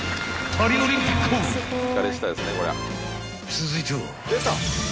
［続いては］